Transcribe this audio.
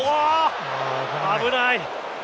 危ない。